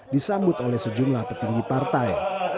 disambut oleh sejumlah petinggi partai